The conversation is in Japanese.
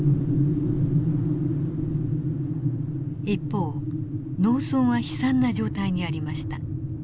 一方農村は悲惨な状態にありました。